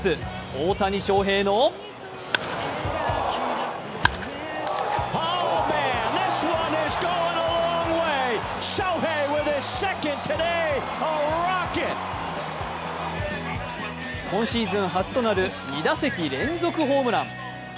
大谷翔平の今シーズン初となる２打席連続ホームラン。